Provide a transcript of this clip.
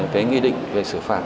về nghĩa định về xử phạt